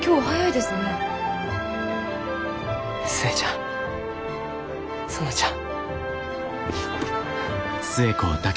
寿恵ちゃん園ちゃん。